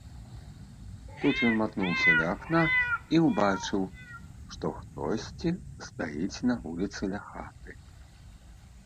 Тут ён матнуўся ля акна і ўбачыў, што хтосьці стаіць на вуліцы ля хаты.